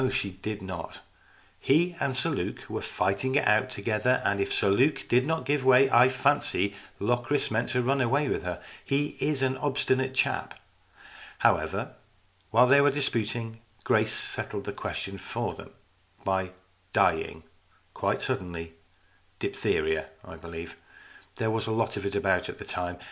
She did not. He and Sir Luke were fighting it out together, and if Sir Luke did not give way, I fancy Locris meant to run away with her. He is an obstinate chap. However, while they were disputing, Grace settled the question for them by dying quite suddenly diphtheria, I believe. There was a lot of it about at the time.